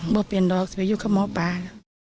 ไม่เป็นต่ออยู่กับหมอปลา